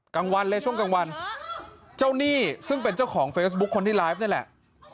กลางวันเลยช่วงกลางวันเจ้าหนี้ซึ่งเป็นเจ้าของเฟซบุ๊คคนที่ไลฟ์นี่แหละ